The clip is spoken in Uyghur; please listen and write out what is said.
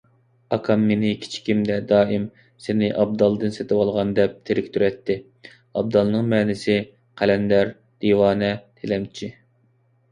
ئاكام مېنى كىچىكىمدە دائىم «سېنى ئابدالدىن سېتىۋالغان» دەپ تېرىكتۈرەتتى. ئابدالنىڭ مەنىسى: قەلەندەر، دىۋانە، تىلەمچى.